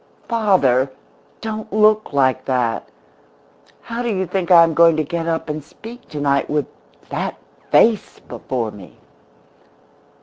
"Father, don't look like that! How do you think I am going to get up and speak tonight with that face before me?"